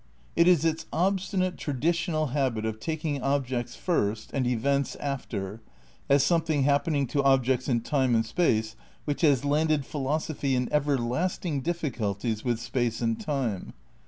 It is its obstinate traditional habit of taking objects first and events after as something happening to ob jects in time and space which has landed philosophy in everlasting difficulties with space and time.